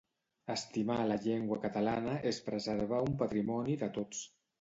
Estimar la llengua catalana és preservar un patrimoni de tots.